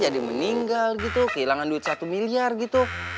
jadi meninggal gitu kehilangan duit satu miliar gitu